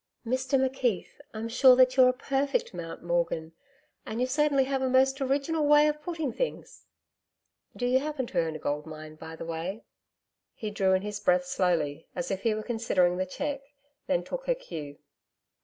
'Mr McKeith, I'm sure that you're a perfect Mount Morgan, and you certainly have a most original way of putting things. Do you happen to own a gold mine, by the way?' He drew in his breath slowly, as if he were considering the check, then he took her cue.